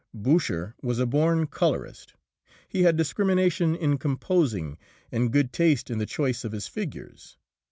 Boucher was a born colourist. He had discrimination in composing and good taste in the choice of his figures.